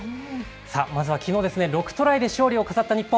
まずはきのう６トライで勝利を飾った日本。